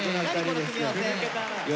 この組み合わせ。